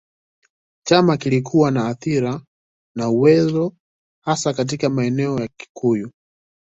Chama kilikuwa na athira na uwezo hasa katika maeneo ya Wakikuyu.